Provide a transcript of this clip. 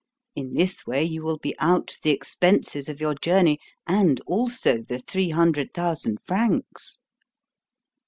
In this way you will be out the expenses of your journey and also the three hundred thousand francs."